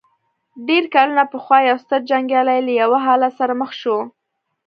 ډېر کلونه پخوا يو ستر جنګيالی له يوه حالت سره مخ شو.